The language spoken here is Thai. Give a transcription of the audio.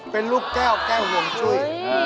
เป็นลูกแก้วแก้วห่วงจุ้ย